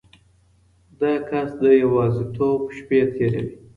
دا کس د یوازیتوب شپې تیروي.